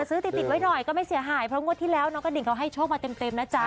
ซื้อติดไว้หน่อยก็ไม่เสียหายเพราะงวดที่แล้วน้องกระดิ่งเขาให้โชคมาเต็มนะจ๊ะ